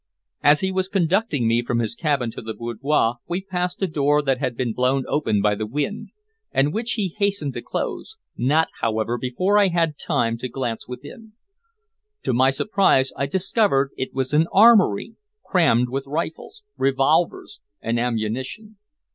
As he was conducting me from his own cabin to the boudoir we passed a door that had been blown open by the wind, and which he hastened to close, not, however, before I had time to glance within. To my surprise I discovered that it was an armory crammed with rifles, revolvers and ammunition.